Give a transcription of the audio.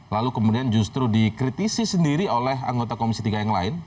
lalu kemudian justru dikritisi sendiri oleh anggota komisi tiga yang lain